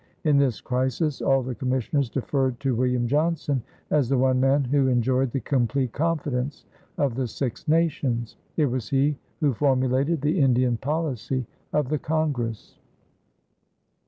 In this crisis all the commissioners deferred to William Johnson as the one man who enjoyed the complete confidence of the Six Nations. It was he who formulated the Indian policy of the congress.